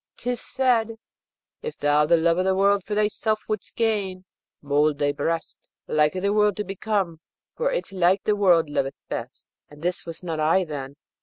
'Tis said: If thou the love of the world for thyself wouldst gain, mould thy breast Liker the world to become, for its like the world loveth best; and this was not I then.